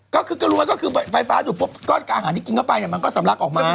ก็คือกระรวยก็คือไฟฟ้าดูดปุ๊บก็อาหารที่กินเข้าไปมันก็สำลักออกมา